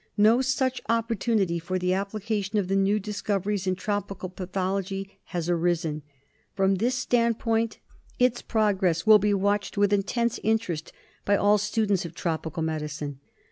No such opportunity for the application of the new discoveries in tropical pathology has arisen. From this standpoint its progress will be watched with intense interest by all students of tropical medicine.